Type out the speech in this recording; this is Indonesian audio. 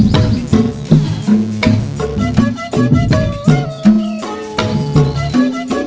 paaallah voll difon semuanya makin pilih